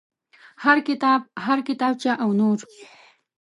هر کتاب هر کتابچه او نور.